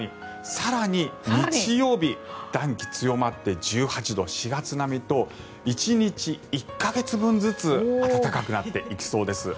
更に日曜日、暖気強まって１８度４月並みと１日１か月分ずつ暖かくなっていきそうです。